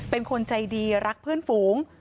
เป็นคนใจดีรักเพื่อนฝูง